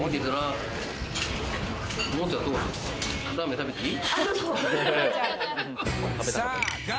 ラーメン食べていい？